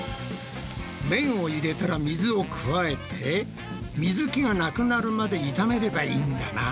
めんを入れたら水を加えて水けがなくなるまでいためればいいんだな。